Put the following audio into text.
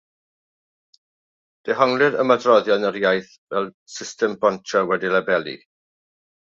Dehonglir ymadroddion yr iaith fel system bontio wedi'i labelu.